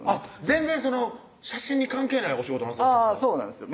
全然写真に関係ないお仕事なさってたんですか？